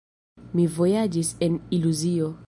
Mi vojaĝis en iluzio.